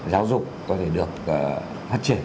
giáo dục có thể được phát triển